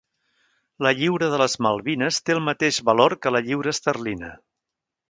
La lliura de les Malvines té el mateix valor que la lliura esterlina.